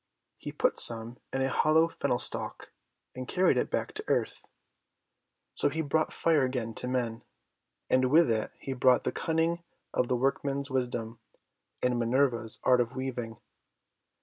He put some in a hollow Fennel Stalk, and carried it back to earth. So he brought Fire again to men, and with it he brought the cunning of the workman's wis dom and Minerva's art of weaving.